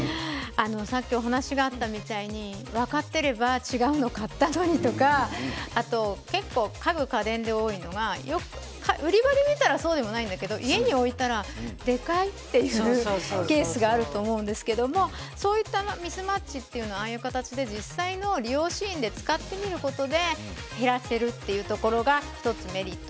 さっき、お話があったみたいに分かっていれば違うのを買ったのにとか家具、家電で多いのが売り場で見たらそうでもないんだけれど家に置いたらでかいというケースがあると思うんですけれどもそういったミスマッチというのはああいった形で実際の利用シーンで使ってみることで減らせるということが１つのメリット。